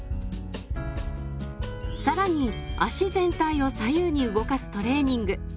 さらに足全体を左右に動かすトレーニング